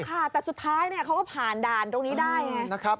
ค่ะแต่สุดท้ายเขาก็ผ่านด่านตรงนี้ได้ไงนะครับ